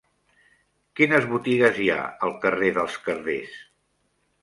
Quines botigues hi ha al carrer dels Carders?